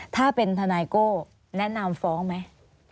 ถ้าเป็นทนายโก้แนะนำฟ้องไหม